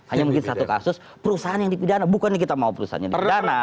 hanya mungkin satu kasus perusahaan yang dipidana bukan kita mau perusahaan yang dipidana